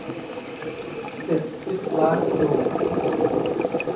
ศิษย์คิดล้างครู